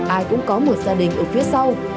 ai cũng có một gia đình ở phía sau